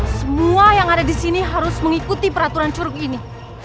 semua yang ada disini harus mengikuti peraturan curug ini